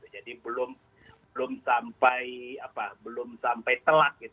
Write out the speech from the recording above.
jadi belum sampai telat